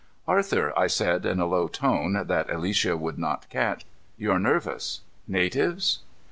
"Arthur," I said in a low tone that Alicia would not catch. "You're nervous. Natives?"